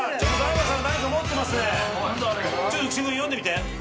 ちょっと浮所君読んでみて。